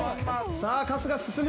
さあ春日進む！